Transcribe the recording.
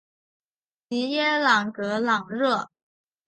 吉耶朗格朗热。